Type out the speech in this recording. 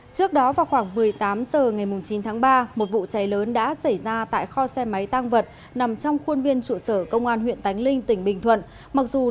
trước đó vào khoảng một mươi tám h ngày chín tháng ba một vụ cháy lớn đã xảy ra tại kho xe máy tăng vật nằm trong khuôn viên trụ sở công an huyện tánh linh tỉnh bình thuận